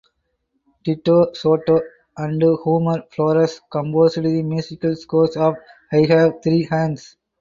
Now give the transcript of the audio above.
Tito Sotto and Homer Flores composed the musical score of "I Have Three Hands".